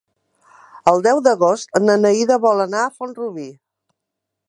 El deu d'agost na Neida vol anar a Font-rubí.